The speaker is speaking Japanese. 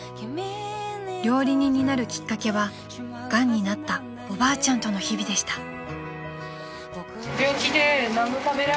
［料理人になるきっかけはがんになったおばあちゃんとの日々でした］